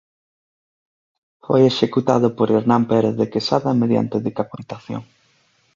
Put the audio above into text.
Foi executado por Hernán Pérez de Quesada mediante decapitación.